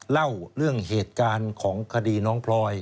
เล่าเรื่องเหตุการณ์ของคดีน้องพลอย